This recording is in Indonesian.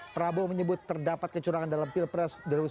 prabowo menyebut terdapat kecurangan dalam pilpres dua ribu sembilan belas